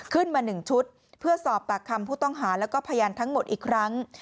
ขึ้นมา๑ชุดเพื่อสอบปากคำผู้ต้องหาแล้วก็พยานทั้งหมดอีกครั้ง